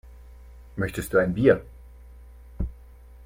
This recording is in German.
Möchtest du ein Bier?